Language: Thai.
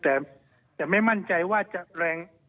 แต่ไม่มั่นใจว่าเป็นการแรง